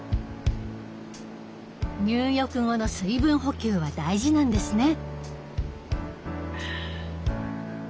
入浴後の水分補給は大事なんですね。